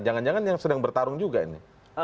jangan jangan yang sedang bertarung juga ini